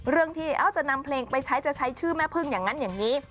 เรื่องที่จะนำเพลงไปใช้จะใช้ชื่อแม่พึ่งอย่างนั้นอย่างนี้